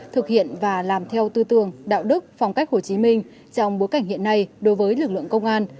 thực hiện và làm theo tư tưởng đạo đức phong cách hồ chí minh trong bối cảnh hiện nay đối với lực lượng công an